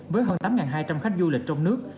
với hơn tám hai trăm linh khách du lịch trong nước